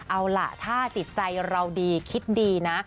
เอาล่ะถ้าจิตใจเราดีคิดดีนะ